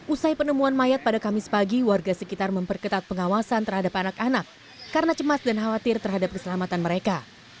usai penemuan mayat pada kamis pagi warga sekitar memperketat pengawasan terhadap anak anak karena cemas dan khawatir terhadap keselamatan mereka